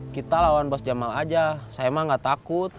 kita lawan bos jamal aja saya emang gak takut